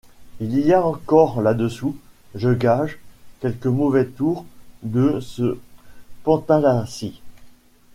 Il y a encore là-dessous, je gage, quelque mauvais tour de ce Pantalacci?